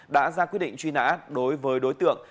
đã ra quyết định truy nã đối với đối tượng